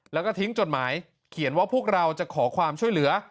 แล้วก็ทิ้งจดหมายเขียนว่าพวกเราจะขอความช่วยเหลือ